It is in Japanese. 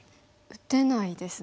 打てないですね。